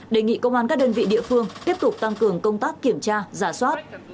đề nghị công an các đơn vị địa phương tiếp tục tăng cường công tác kiểm tra giả soát